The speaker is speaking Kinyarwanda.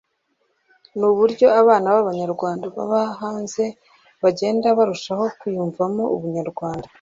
n’uburyo abana b’abanyarwanda baba hanze bagenda barushaho kwiyumvamo ubunyarwanda